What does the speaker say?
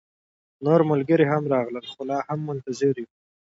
نور ملګري هم راغلل، خو لا هم منتظر يو